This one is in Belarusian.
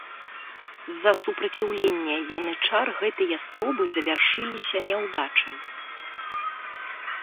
З-за супраціўлення янычар гэтыя спробы завяршыліся няўдачай.